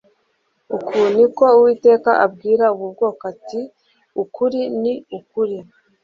Uku ni ko uwiteka abwira ubu bwoko ati uku ni ukuri